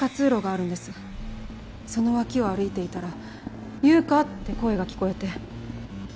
その脇を歩いていたら「優花」って声が聞こえて。